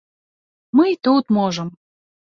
Мы й тут можам.